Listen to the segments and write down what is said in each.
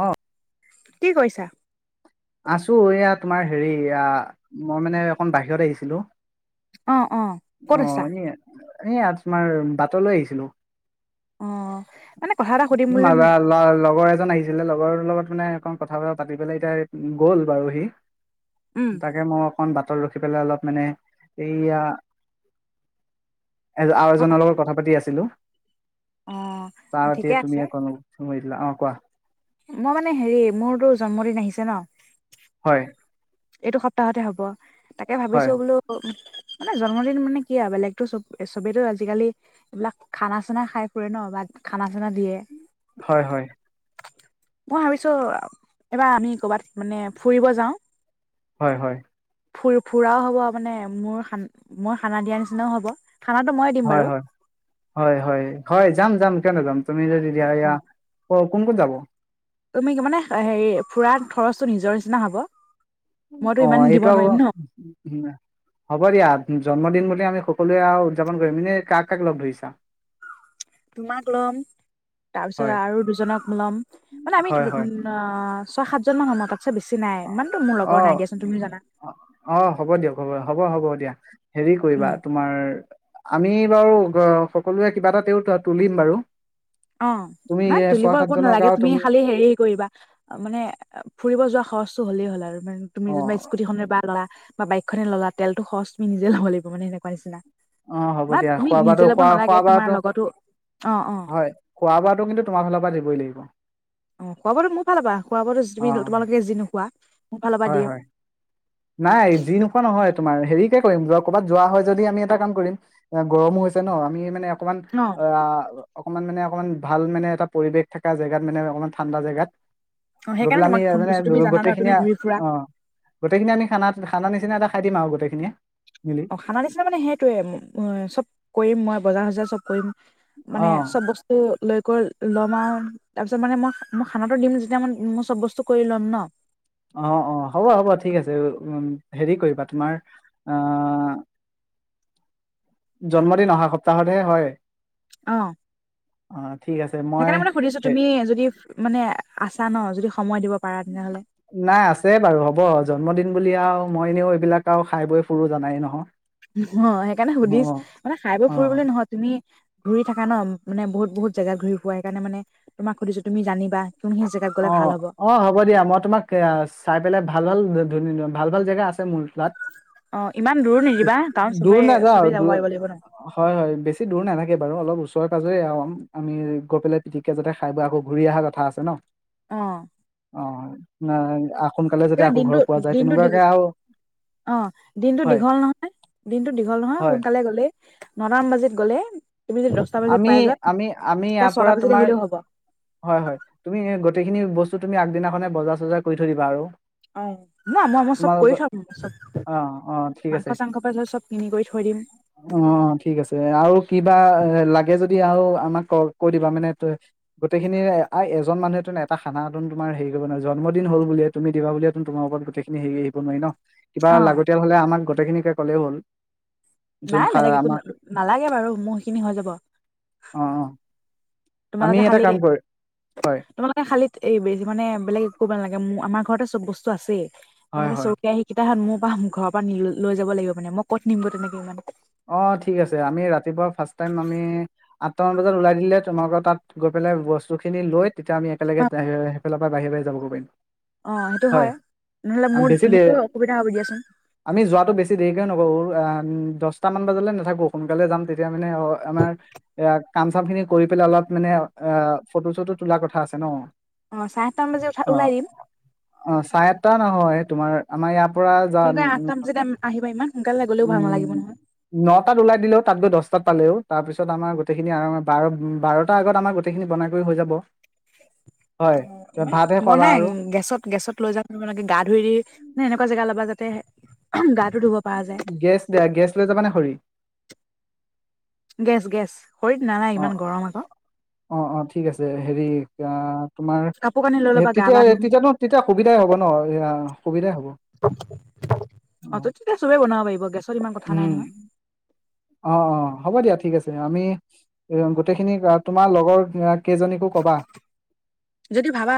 অ কি কৈছা আছোঁ এয়া তোমাৰ হেৰি য়া মই মানে অকণ বাহিৰত আহিছিলোঁ। অ', অ', ক'ত অ আছা? ন এয়া তোমাৰ বাটলৈ আহিছিলোঁ। অ মানে কথা এটা সুধিম না বুলি লা লা লগৰ এজন আহিছিলে লগৰ লগত মানে অকণ কথা চথা পাতি পেলাই এতিয়া গ'ল বাৰু সি উম, তাকে মই অকন বাটত ৰখি পেলাই অলপ মানে এইয়া এ আৰু এজনৰ লগত কথা পাতি আছোঁ। ছিলোঁ। অ ঠিকে আছে। [inaudible] লা অ কোৱা। মই মানে হেৰি মোৰতো জন্মদিন আহিছে ন। হয় এইটো সপ্তাহতে হ'ব তাকে হয় ভাবিছোঁ বোলো। মানে জন্মদিন মানে কি আও বেলেগতো চব চবেতো আজিকালি এইবিলাক খানা চানা খাই ফুৰে ন বা খানা চানা দিয়ে। হয় হয় মই ভাবিছোঁ এবাৰ আমি কৰ'বাত মানে ফুৰিব যাওঁ। হয় হয় ফু ফুৰাও হ'ব মানে মোৰ মোই খানা দিয়া নিচিনাও হ'ব। খানাটো ময়ে দিম বাৰু। হয় হয় হয় হয় হয় যাম যাম কিয় নাযাম তুমি যদি ইয়া ইয়া কোন কোন যাব? অ তুমি কি মানে হেৰি ফুৰা খৰচটো নিজৰ নিচিনা হ'ব। মইতো অ ইমান দিব এইটো নোৱাৰিম ন আকৌ হ'ব দিয়া। উ জন্মদিন বুলি আমি সকলোৱে আৰু উদযাপন কৰিম এনে কাক কাক লগ ধৰিছা? তোমাক ল'ম তাৰপিছত হয় আৰু দুজনক ল'ম মানে আমি আ হয় হয় ছয় সাতজনমান সম তাত অ জানা অ হ'ব দিয়ক হ'ব হ'ব হ'ব। এতিয়া হেৰি কৰিবা উম তোমাৰ। আমি বাৰু সকলোৱে কিবা এটাতেও তুলিম বাৰু অ তুমি না এ, তুলিব ছয় একো সাতজনক নালাগে আৰু তুমি খালি হেৰি কৰিবা, মানে ফুৰিব যোৱা সচ। হলেই হ'ল আৰু। তুমি অ যেনিবা স্কুটি খনে বা ললা। বা বাইকখনে ল'লা, তেলটো খচ তুমি নিজে ল'ব লাগিব মানে হেনেকুৱা নিচিনা। অ হ'ব ম দিয়া তুমি খোৱা নিজে বোৱাটো ল'ব খোৱা নালাগে খোৱা তোমাৰ বোৱাটো লগতো অ অ। হয় খোৱা বোৱাটো কিন্তু তোমাৰ ফালৰ পৰা দিবই লাগিব। অ, খোৱা বোৱা তো মোৰ ফাল পৰা খোৱা বোৱাতো অ তুমি তোমালোকে যি নোখোৱা। মোৰ ফালৰ পৰা হয় হয় দিম। নাই যি নোখোৱা নহয় তোমাৰ হেৰি কে কৰিম, যোৱা কৰ'বাত যোৱা হয় যদি আমি এটা কাম কৰিম', গৰমো হৈছে ন আমি মানে। অকমান অ। অকণমান মানে, অকণমান ভাল মানে এটা পৰিৱেশ থকা জেগাত মানে অকণমান ঠাণ্ডা জেগাত। অ গৈ সেইকাৰণে পেলাই আমি তোমাক ফোন মানে, কৰিছো তুমি জানা ন তুমি গোটেইখিনিয়ে ঘূৰি ফুৰা অ। আমি খানা খানা নিচিনা এটা খাই দিম আৰু গোটেই খিনিয়ে। অ, খানা নিচিনা মানে সেইটোৱে উ চব কৰিম মই বজাৰ হাজাৰ। চব কৰিম। অ মানে চব বস্তু লৈ। তাৰপিছত মানে মই মই খানাতো দিম যেতিয়া ম মোৰ চব বস্তু কৰি ল'ম ন। অ অ হ'ব হ'ব ঠিক আছে, উ হেৰি কৰিবা তোমাৰ আহ জন্মদিন অহা সপ্তাহত হে হয়। অ, অ ঠিক আছে মই সেইকাৰণে মানে সুধিছো হে- তুমি যদি মানে আছা ন যদি। সময় দিব পাৰা তেনেহ'লে নাই, আছে বাৰু হ'ব জন্মদিন। বুলি আও মই এনেও এইবিলাক আও খাই বৈ ফুৰো জানাই নহয়। অ, সেইকাৰণে অ', সুধিছ মানে খাই বৈ অ', ফুৰিবলৈ নহয় তুমি ঘূৰি থাকা ন। মানে বহুত বহুত জেগাত ঘূৰি ফুৰা সেই কাৰণে মানে, তোমাক সুধিছো তুমি জানিবা। কোনখিনি জেগাত গ'লে অ ভাল হ'ব অ হ'ব দিয়া, মই তোমাক চাই পেলাই। ভাল ভাল ধন ভাল ভাল জেগা আছে মোৰ। অ ইমান দূৰো নিদিবা কাৰণ চবে দূৰ নাযাওঁ চবেই যাব দূ পাৰিব লাগিব ন হয় হয় বেছি দূৰ নাথাকে [unintelligible] বাৰু অলপ ওচৰে পাজৰে আও আমি গৈ পেলাই পিটিককে যাতে খাই বৈ আকৌ ঘুৰি অহা কথা আছে ন। অ অঁ। ন‌আক [inaudible] দিনটো দিনটো দীঘল নহয়, দিনটো হয় দীঘল নহয় দিনটো দীঘল নহয় হয় সোনকালে গ'লেই। ন টামান বাজিত গ'লে। তুমি যদি দহটা বাজি আমি পাই যোৱা আমি আমি তেতিয়া ইয়াৰ ছটা পৰা বাজিত তোমাৰ আহিলেও হ'ব। হয় হয় তুমি গোটেইখিনি বস্তু। তুমি আগদিনাখনে বজাৰ চজাৰ কৰি থৈ দিবা আৰু। অ ন মই মই চব কৰি তোমালোকৰ থম চব অ অ ঠিক মাংস আছে চাংস পা চব কিনি কৰি থৈ দিম। অ অ ঠিক আছে আৰু কিবা এ লাগে যদি আওঁ আমাক ক কৈ দিবা মানে তই গোটেইখিনি আ এজন মানুহ তো এটা খানা তো তোমাৰ হেৰি কৰিব নোৱাৰা জন্মদিন হ'ল বুলিয়ে তুমি দিবাবুলিয়ে চোন তোমাৰ ওপৰতেই গোটেইখিনি সেৰি এৰিব নোৱাৰি ন। কিবা অ', লাগতিয়াল হলে আমাক। গোটেইখিনিকে কলেওঁ হ'ল। যোন নাই খা বেলেগ একো আমাক নালাগে বাৰু মোৰ সিখিনি হৈ যাব। অ অ। আমি তোমালোকে এটা খালি কাম কৰি হয় তোমালোকে খালী এইবেৰি মানে বেলেগ একো কৰিব নালাগে মোৰ আমাক। ঘৰতে চব বস্তু আছেই। মানে হয় হে হয় চৌ কেৰাহী কেইটাহত মোক। বা ঘৰৰ পৰা নি লৈ যাব লাগিব মানে মই কত নিম ক তেনেকে মানে। অ ঠিক আছে আমি ৰাতিপুৱা ফাষ্ট টাইম আমি। আঠটামান বজাত ওলাই দিলে তোমালোকৰ তাত গৈ পেলাই বস্তুখিনি লৈ। তেতিয়া আমি একেলগে সেই‌ফেলাক। বাহিৰে বাহিৰে যাবগৈ পাৰিম। অ', সেইটো হয় নহ'লে মোৰ বেছি দেৰি মোৰো অসুবিধা হ'ব দিয়াচোন। আমি যোৱাটো বেছি দেৰিকে নকৰো। অ দচ। টামান বজালে নাথাকো সোনকালে যাম তেতিয়া মানে অ আমাৰ এ কাম চাম খিনি কৰি পেলাই অলপ মানে অ ফটো চটো তোলাৰ কথা আছে ন। অ', চাৰে আঠটামান বাজি উঠা অ ওলাই দিম। অ চায় আতটা নহয়। তোমাৰ আমাৰ ইয়াত। সোনকে আঠটা বজাত আহিবা ইমান সোনকালে গ'লেও ভাল নালাগিব উম নহয়। নটাত ওলাই দিলেও তাত গৈ দহটাত পালেও তাৰপিছত আমাৰ গোটেইখিনি বাৰ বাৰটাাৰ আগত আমাৰ গোটেইখিনি বনাই কৰি হৈ যাব। হয় অ ত ইমান ভাতহে ব খোৱাবা নাই আৰু গেছত গেছত লৈ যাম মনে গা ধুই ৰি মানে এনেকুৱা জেগা ল'বা যে। ধুতে গা। গেছ দিয়া গেছ লৈ যাবা নে খৰি। Gas gas. খৰিত নাই নাই অ ইমান গৰম আক। অ অ ঠিক আছে হেৰি ক। তোমাৰ কাপোৰ কানি লৈ ল'বা গা তেতিয়া পা ধুম তেতিয়া ন তেতিয়া সুবিধাই হ'ব ন সুবিধাই হ'ব। অ' তেতিয়া চবেই [unintelligible] উম নাই নহয়। অ অ হ'ব দিয়া ঠিক আছে। আমি এ গোটেইখিনি তোমাৰ লগৰ। কেইজনীকো কবা যদি ভাবা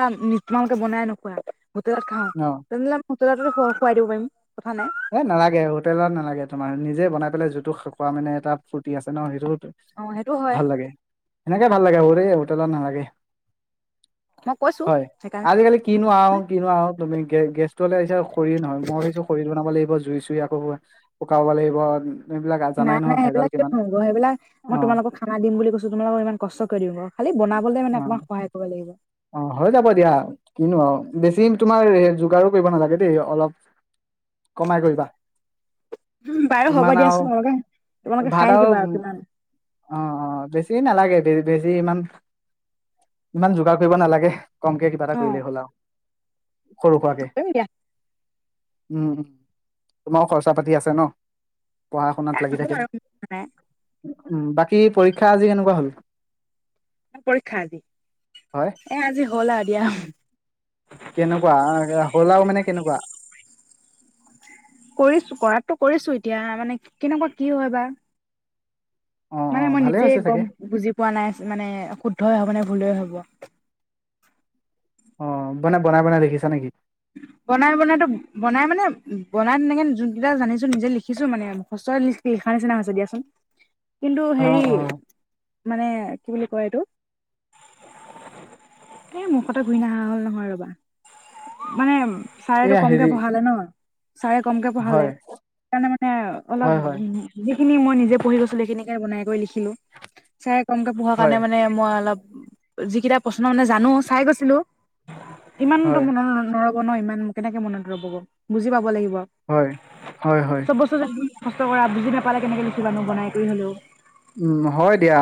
তোমালোকে বনাই নোখোৱা হোটেলত খাওঁ অ তেনেহলে ম। ত ত খুৱাই দিব পাৰিম। কথা নাই এ নালাগে, হোটেলত নালাগে, তোমাৰ নিজে বনাই- বোলে যিটো খোৱা মানে এটা ফূৰ্তি আছে ন সেইটো- অ সেইটো হয়। ভাল লাগে সেনেকে ভাল লাগে, হোটে হোটেলত নালাগে। মই কৈছো হয়, সেইকাৰণে আজিকালি কিনোৱা হও কিনোৱা হও তুমি- গে গেছটো হ'লে আহিছে খৰি নহয় মই ভাবিছো খৰি বনাই- লাগিব জুই চুই আকৌ শুকাব লাগিব- এইবিলাক জানাই নাই নহয় নাই ভেজাল সেইবিলাক কিয় কিমান নহব, সেইবিলাক মই অ তোমালোকক খানা দিম বুলি কৈছো তোমালোকক ইমান কষ্ট কৰি দিম, খালি বনাবলে মানে অ অকমান সহায় কৰিব লাগিব। অ হৈ যাব দিয়া, কিনো আৰু বেছি তোমাৰ যোগাৰো কৰিব নালাগে দেই অলপ- কমাই কৰিবা, বাৰু হ'ব ইমান আৰু, দিয়াচোন তোমালোকে তোমালোকে খাই ভাত আৰু, থাকিবা কিমান অ অ বেছি নালাগে। বেছি ইমান, ইমান যোগাৰ- কৰিব নালাগে। কমকে কিবা এটা কৰিলেই হ'ল আৰু। সৰু সুৰাকে সমিয়া [inaudible] উম, উম, তোমাৰো খৰচা পাতি আছে ন। পঢ়া শুনাত নাই লাগি হ'ব থাকে। বাৰু নাই উম বাকী পৰীক্ষা আজি কেনেকুৱা হল? পৰীক্ষা আজি। হয় এ আজি হ'ল আৰু দিয়া। কেনেকুৱা হ'ল আৰু মানে কেনেকুৱা কৰিছো, কৰাটো কৰিছো, এতিয়া মানে কেনেকুৱা কি হয় বা। অ অ মানে মই ভালে নিজে হৈছে চাগে গম বুজি পোৱা নাই মানে শুদ্ধই হবনে। ভুলেই হ'ব। অ, মানে বনাই বনাই লিখিছা নেকি? বনাই বনাইটো, বনাই মানে বনাই তেনেকে যোন কেইটা জানিছো নিজে লিখিছো মানে মুখস্থ সেইকাৰ নিচিনা হৈছে দিয়াচোন। কিন্তু অ হেৰি অ মানে- কি বুলি কয় এইটো, এ মুখতে ঘূইণহা হল নহয় ৰবা- মানে- চাৰেটো এয়া হেৰি কমকে পঢ়ালে ন। ছাৰে কমকে পঢ়ালে, হয় সেইকাৰণে মানে অলপ হয় হয় যিখিনি মই নিজে পঢ়ি গৈছিলো সেইখিনিকে বনাই- গৈ লিখিলো। চাই- মকে পোহা কাৰণে হয় মানে মই অলপ- যিকেইটা প্ৰশ্ন মানে জানো চাই গৈছিলো। ইমানটো হয় মানে- ন ইমান কেনেকে মনত ৰব, বুজি পাব লাগি- হয় হয় হয় চব বছ- কষ্ট কৰা বুজি নাপালে কেনেকে লিখিবা নো বনাই কৰি হ'লেও উম হয় দিয়া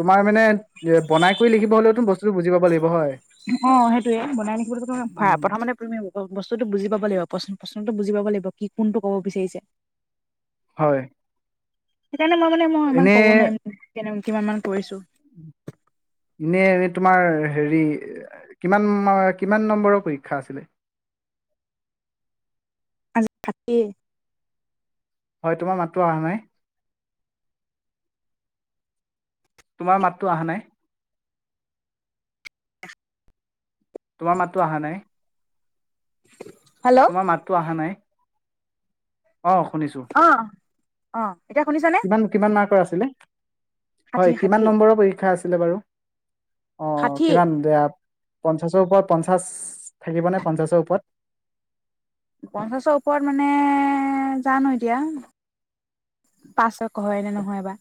তোমাৰ মানে বনাই কৰি লিখিব হলেওতো বস্তুতটো বুজি পাব লাগিব হয় অ সেইটোয়ে বনাই লখিবলৈ ভ উম। প্ৰথমতে‌ তুমি বস্তুটো বুজি পাব লাগিব। প্ৰশ্ন প্ৰশ্নটো বুজি পাব লাগিব কি কোনটো কব বিচাৰিছে হয় সেইকাৰণে মই মানে মই ইমান এনে কব নোৱাৰিমনে কিমান মান কৰিছো এনে এনে তোমাৰ হেৰি কিমান কিমান নম্বৰৰ পৰীক্ষা আছিলে‌? আজি‌ থাৰতি হয় তোমাৰ মাতটো অহা নাই তোমাৰ মাততো অহা নাই তোমাৰ মাতটো অহা নাই উ [unintelligible] তোমাৰ মাততো অহা নাই অ শুনিছোঁ অ অ এতিয়া শুনিছানে কিমান কিমান মাৰ্কৰ আছে? ছিলে ষাঠি হয় ষাঠি কিমান নম্বৰৰ পৰীক্ষা আছে? ছিলে বাৰু অ ষাঠি কিমান বেয়া পঞ্চাশৰ ওপৰত পঞ্চাশ থাকিব নে পঞ্চাছৰ ওপৰত পঞ্চাশৰ ওপৰত মানে জানো এতিয়া পাছত হয়', নে', নহয়', বা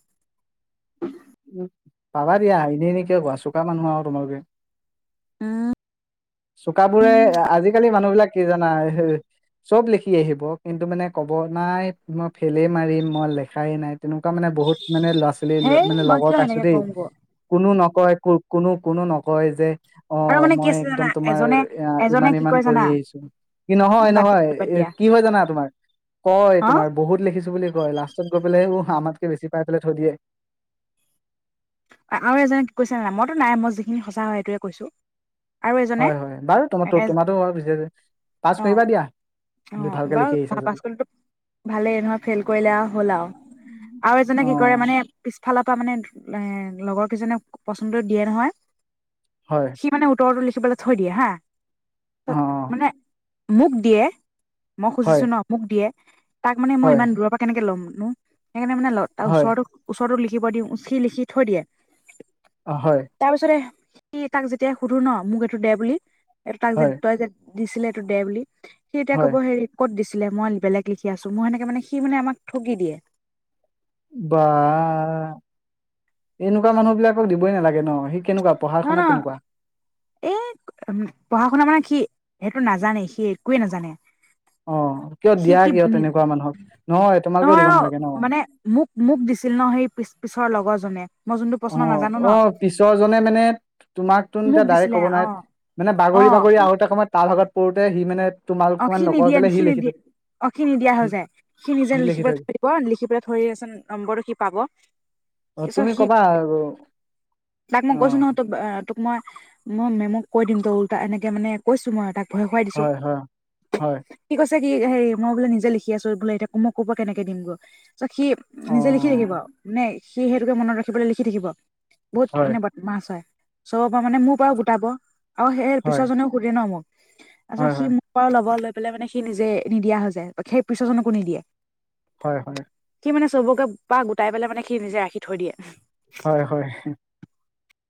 উম', পাবা দিয়া ইনে আনে কিয় কোৱা, চোকা মানুহ আৰু তোমালোকে। উম', চুকাবোৰে উম আজিকালি মানুহ বিলাক কি জানা, চব লিখি আহিব, কিন্তু মানে কব নাই মই ফেলেই মাৰিম, মই লেখাই-নাই, তেনেকুৱা মানে বহুত মানে লৰা, একচুৱেলি হেই মানে মই লগৰ কিয় পাইছো সেনেকে দেই কম গ কোনো ন', কয় ক', কোনো-কোনো নকয় যে', আৰু অ', মানে কি মই আছে একদম জানা তোমাৰ এজনে এ এজনে ইমান কি ইমান কয় জানা কৰি আহিছো কি নহয় অ বাদ নহয় দিয়া বাদ এ দিয়া কি হয় জানা তোমাৰ কয় অ তোমাৰ বহুত লিখিছো বুলি কয় লাষ্টত গৈ পেলাই আমাতকে বেছি পাই পেলাই থৈ দিয়ে আৰু এজনে কৈছে ন মইতো নাই মই যিখিনি সঁচা হয় সেইটোৱে কৈছো আৰু এজনে হয় হয় বাৰু তোমাতো এ তোমাতো পাছ অ কৰিবা দিয়া। অ ভালকে লিখি বাৰু আহিছা পাছ যদি কৰিলে ভালেই নহয় ফেইল কৰিলে হ'ল আৰু আৰু এজনে অ কি কৰে মানে ফালৰ পৰা মানে এ লগৰ কেইজনে পচন্দটো দিয়ে নহয় হয় সি মানে উত্তৰটো লিখি তোমালে থৈ দিয়ে হা অ অ ত মানে মোক দিয়ে। মই হয় খুজিছো ন মোক দিয়ে। তাক মানে মই হয়, ইমান দূৰৰ পৰা কেনেকে ল'ম? ন [unintelligible] সেইকাৰণে মানে তাৰ হয়, ওচৰটোক ওচৰতটো লিখিব দিওঁ, সি লিখি থৈ দিয়ে। অ, হয়, তাৰ পিছতে সি', তাক যেতিয়া সুধো ন', মোক এইটো দে বুলি, এ', তাগ জে, হয়, তই যে, [unintelligible] দিছিলে এইটো দে বুলি, সি ', এতিয়া হয়, ক'ব হেৰি ক'ত দিছে? দিলে মই বেলেগ লিখি আছো, মই সেনেকে মানে সি', মানে আমাক ঠগি দিয়ে বা', -এনেকুৱা মানুহ বিলাকক দিবই নালাগে ন', কেনেকুৱা পঢ়া শুনাত কেনেকুৱা? এই উম ', পঢ়া শুনা মানে সি', সেইটো নাজানে সি', একোৱে নাজানে অ কিয় সি', দিয়া কি', কিয় তেনেকুৱা মানুহক তোমালোকেও নহয় দিব অ', নালাগে ন মানে মোক-মোক দিছিল ন', সেই পিছৰ ', - পিছৰ লগৰ যেনে, অ, অ পিছৰ জনে মানে তোমাক ত এতিয়া মোক ডাইৰেক্ট দিছিলে ক'ব অ নোৱাৰি মানে অ বাগৰি বাগৰি আহোতে সময়ত তাৰ ভাগত পৰোতে সি মানে তোমালোক অ মান সি নকয় নিদিয়ে, পেলাই সি লিখি নিদিয়ে, থৈ অ সি নিদিয়া হৈ যায়, সি নিজে লিখিব পেলাই থৈ দিব, লিখি পেলাই থৈ নম্বৰটো সি পাব। অ তুমি সি কবা আৰু তাক মই অ, কৈছো নহয় তোক আহ, তোক মই, মই মেমক কৈ দিম ত এনেকে মানে কৈছো মই তাক ভয় খুৱাই দিছোঁ। হয় হয় হয় চ সি হে মই বোলে নিজে লিখি আছো বোলে এতিয়া মোক ক'ব কেনেকে দিম গ' চ সি অ নিজে লিখি থাকিব নে সি সেইটোকে মনত ৰাখিবলৈ লিখি থাকিব। বহুত হয় মানে বাদমাচ হয়। চব পৰা মানে মোৰ পৰা গোটাব। অ সেই হয় পিছজনেও সুধে ন মোক। আচ্ছা হয় সি হয় লব লৈ পেলাই মানে সি নিজে নিদিয়া হৈ যায় সেই পিছজনকো নিদিয়ে হয় হয় সি মানে চবকে পা গোটাই পেলাই মানে সি নিজে ৰাখি থৈ দিয়ে হয় হয়